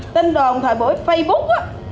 tin đồn thời buổi facebook á